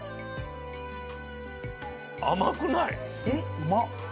うまっ。